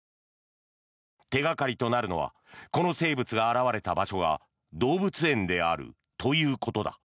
手掛かりとなるのはこの生物が現れた場所が動物園であるということだ。